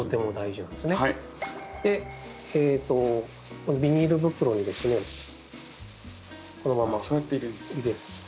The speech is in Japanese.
このビニール袋にですねこのまま入れて。